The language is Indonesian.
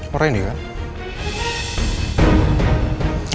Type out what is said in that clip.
sampai jumpa di video selanjutnya